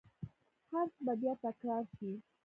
هرڅه به بیا تکرار شي